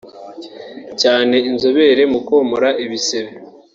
cyane inzobere mu komora ibisebe